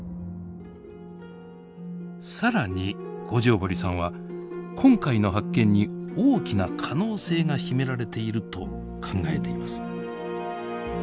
更に五條堀さんは今回の発見に大きな可能性が秘められていると考えています。